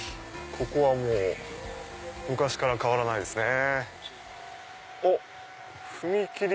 ここは昔から変わらないですね。